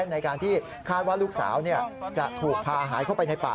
ในการที่คาดว่าลูกสาวจะถูกพาหายเข้าไปในป่า